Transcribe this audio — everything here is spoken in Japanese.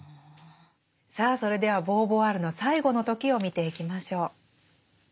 さあそれではボーヴォワールの最後の時を見ていきましょう。